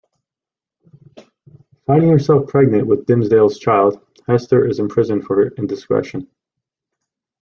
Finding herself pregnant with Dimmesdale's child, Hester is imprisoned for her indiscretion.